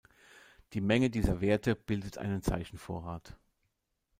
Die Menge dieser Werte bildet einen Zeichenvorrat.